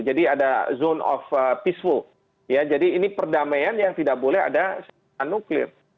jadi ada zone of peaceful jadi ini perdamaian ya tidak boleh ada senjata nuklir